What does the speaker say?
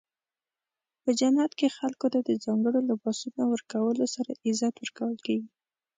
په جنت کې خلکو ته د ځانګړو لباسونو ورکولو سره عزت ورکول کیږي.